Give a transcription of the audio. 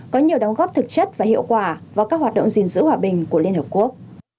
có nhiều đóng góp thực chất và hiệu quả vào các hoạt động gìn giữ hòa bình của liên hợp quốc